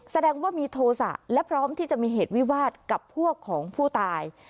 แสดงว่ามีโทษะและพร้อมที่จะมีเหตุวิวาสกับพวกของผู้ตาย